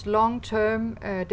không chỉ cpa